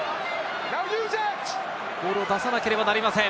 ボールを出さなければなりません。